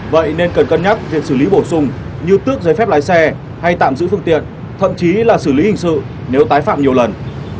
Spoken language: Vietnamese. vậy nên cần cân nhắc việc xử lý bổ sung như tước giấy phép lái xe hay tạm giữ phương tiện thậm chí là xử lý hình sự nếu tái phạm nhiều lần